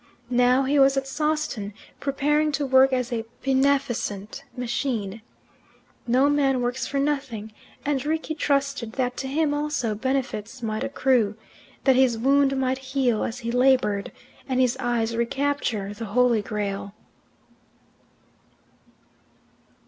Now he was at Sawston, preparing to work a beneficent machine. No man works for nothing, and Rickie trusted that to him also benefits might accrue; that his wound might heal as he laboured, and his eyes recapture the Holy Grail.